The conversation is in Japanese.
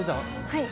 はい。